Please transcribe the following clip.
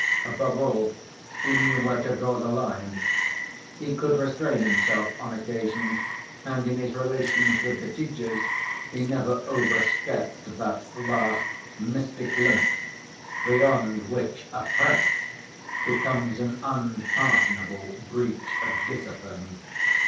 Above all, he knew where to draw the line. He could restrain himself on occasion, and in his relations with the teachers he never overstepped that last mystic limit beyond which a prank becomes an unpardonable breach of discipline.